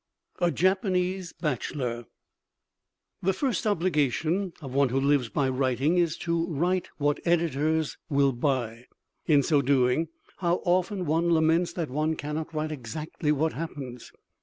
A JAPANESE BACHELOR The first obligation of one who lives by writing is to write what editors will buy. In so doing, how often one laments that one cannot write exactly what happens.